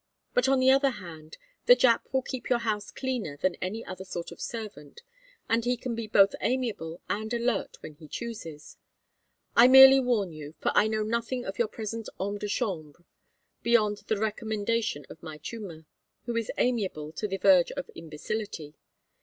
But on the other hand the Jap will keep your house cleaner than any other sort of servant, and he can be both amiable and alert when he chooses. I merely warn you, for I know nothing of your present homme de chambre beyond the recommendation of my Chuma, who is amiable to the verge of imbecility.